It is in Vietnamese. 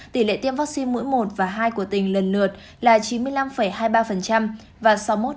tỷ lệ tiêm vắc xin mũi một và hai của tỉnh lần lượt là chín mươi năm hai mươi ba và sáu mươi một năm mươi bảy